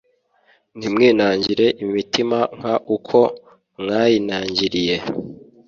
Ntimwinangire imitima Nk uko mwayinangiriye